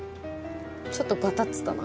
ちょっとガタっつったな。